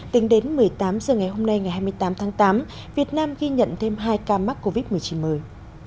tính đến một mươi tám h ngày hôm nay ngày hai mươi tám tháng tám việt nam ghi nhận thêm hai ca mắc covid một mươi chín mới